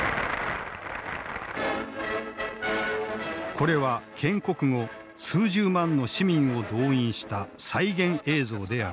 これは建国後数十万の市民を動員した再現映像である。